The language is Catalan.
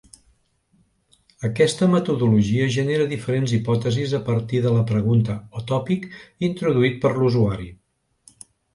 Aquesta metodologia genera diferents hipòtesis a partir de la pregunta o tòpic introduït per l'usuari.